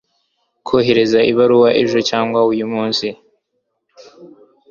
kohereje ibaruwa ejo cyangwa uyumunsi